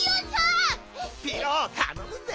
ピロたのむぜ！